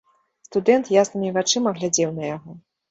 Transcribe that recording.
Студэнт яснымі вачыма глядзеў на яго.